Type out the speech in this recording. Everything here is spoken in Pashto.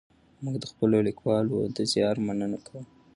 موږ د خپلو لیکوالو د زیار مننه کوو.